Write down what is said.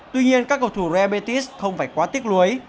tuy nhiên các cầu thủ real métis không phải quá tiếc lưới